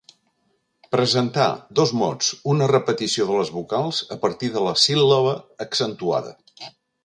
Presentar, dos mots, una repetició de les vocals a partir de la síl·laba accentuada.